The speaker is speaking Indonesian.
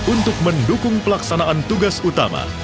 untuk mendukung pelaksanaan tugas utama